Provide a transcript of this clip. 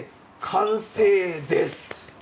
完成です。